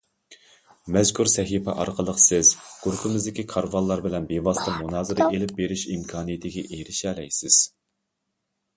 مەزكۇر سەھىپە ئارقىلىق سىز گۇرۇپپىمىزدىكى« كارۋانلار» بىلەن بىۋاسىتە مۇنازىرە ئېلىپ بېرىش ئىمكانىيىتىگە ئېرىشەلەيسىز.